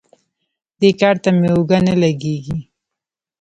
دې کار ته مې اوږه نه لګېږي.